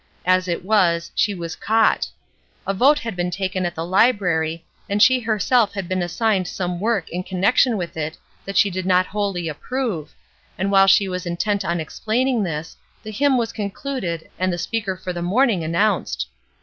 As it was, she was caught. A vote had been taken at the Library, and she herself had been assigned some work in connec tion with it that she did not wholly approve, and while she was intent on explaining this, the hymn was concluded and the speaker for the morning announced.